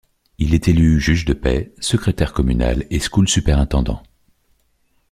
Il est élu juge de paix, secrétaire communal et school Superintendent.